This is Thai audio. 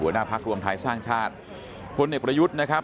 หน้าพักรวมไทยสร้างชาติพลเอกประยุทธ์นะครับ